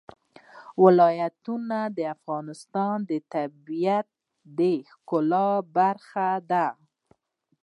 ولایتونه د افغانستان د طبیعت د ښکلا برخه ده.